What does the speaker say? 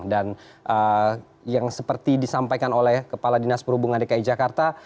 dan yang seperti disampaikan oleh kepala dinas perhubungan dki jakarta